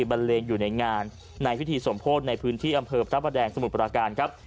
บันเลงอยู่ในงานในพิธีสมโพธิในพื้นที่อำเภอพระประแดงสมุทรปราการครับ